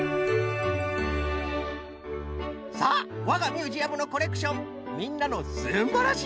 さあわがミュージアムのコレクションみんなのすんばらしい